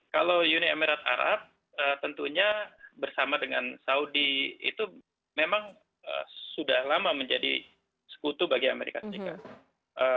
kalau uni emirat arab tentunya bersama dengan saudi itu memang sudah lama menjadi sekutu bagi amerika serikat